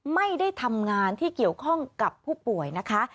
ไม่ได้ทำงานที่เกี่ยวข้องกับผู้ป่วยนะคะ